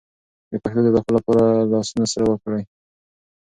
د پښتو د بقا لپاره لاسونه سره ورکړئ.